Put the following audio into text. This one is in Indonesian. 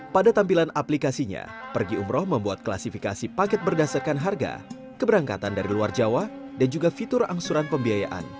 pada tampilan aplikasinya pergi umroh membuat klasifikasi paket berdasarkan harga keberangkatan dari luar jawa dan juga fitur angsuran pembiayaan